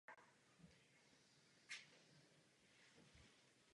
Region je pozoruhodný řídkou sítí osídlení a rozsáhlými volnými plochami.